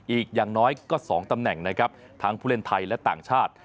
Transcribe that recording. อีกอย่างน้อยก็๒ตำแหน่งนะครับทั้งผู้เล่นไทยและต่างชาติ